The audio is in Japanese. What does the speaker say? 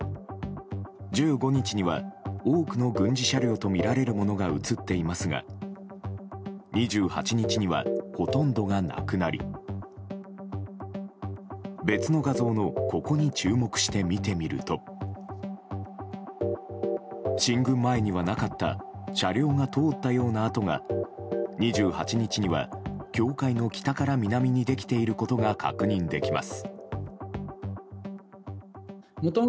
１５日には多くの軍事車両とみられるものが写っていますが２８日には、ほとんどがなくなり別の画像のここに注目して見てみると進軍前にはなかった車両が通ったような跡が２８日には、境界の北から南にできていることが確認できます。